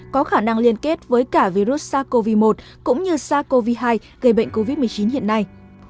có khả năng liên kết với cả virus sars cov hai cũng như sars cov hai gây bệnh covid một mươi chín hiện nay